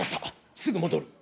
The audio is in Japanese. すぐ戻る。